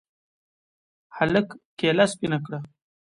هلك کېله سپينه کړه.